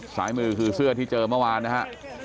ซ้ายมือคือเสื้อที่เจอเมื่อวานนะฮะ